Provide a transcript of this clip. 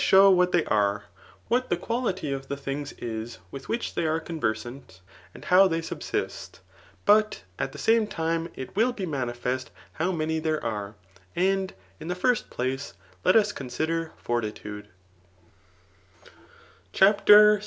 show what they are^ what the cpy |ii^ of the flings is whh whic^ they are cpnvcrsant, aad Ij^Y^ they subsist ; but at the sapie tipie it will be mam* jEest how many there 91^ And in the first, place let m C9iisider fortitude^ CHAPTER yi.